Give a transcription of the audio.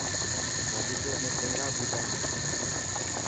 باغيچي ۾ ڪهڙا ٻوٽا هي.